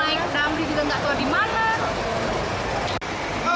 saya mau naik nambri juga gak tau dimana